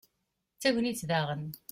d tagnit daɣen